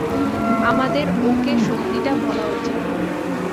আমাদের ওকে সত্যিটা বলা উচিত।